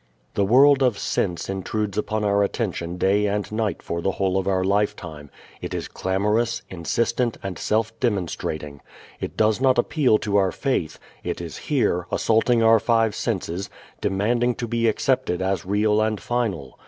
The world of sense intrudes upon our attention day and night for the whole of our lifetime. It is clamorous, insistent and self demonstrating. It does not appeal to our faith; it is here, assaulting our five senses, demanding to be accepted as real and final.